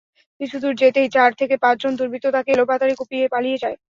কিছুদূর যেতেই চার থেকে পাঁচজন দুর্বৃত্ত তাঁকে এলোপাতাড়ি কুপিয়ে পালিয়ে যায়।